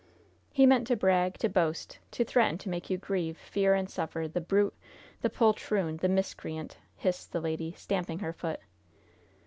"He meant to brag, to boast, to threaten to make you grieve, fear and suffer the brute, the poltroon, the miscreant!" hissed the lady, stamping her foot.